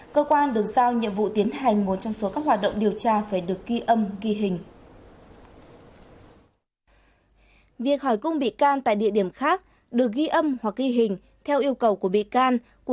cơ quan được giao nhiệm vụ tiến hành một trong số các hoạt động điều tra phải được ghi âm ghi hình